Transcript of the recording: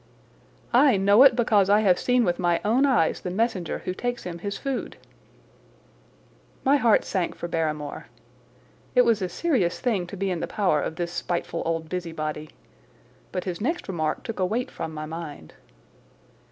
"I know it because I have seen with my own eyes the messenger who takes him his food." My heart sank for Barrymore. It was a serious thing to be in the power of this spiteful old busybody. But his next remark took a weight from my mind.